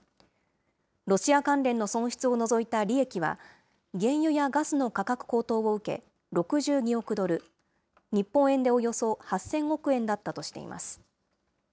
ロシア関連の損失を除いた利益は、原油やガスの価格高騰を受け６２億ドル、日本円でおよそ８０００億円だったとしています。